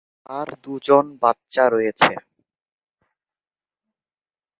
তার দুজন বাচ্চা রয়েছে।